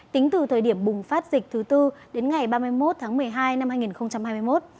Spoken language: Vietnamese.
tính từ thời điểm bùng phát dịch thứ tư đến ngày ba mươi một tháng một mươi hai năm hai nghìn hai mươi một